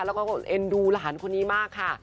แล้วก็เอ็นดูหลานคนนี้มากค่ะ